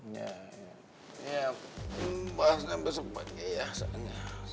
ya ya mas sampai besok pagi ya